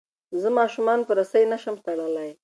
زه ماشومان په رسۍ نه شم تړلی.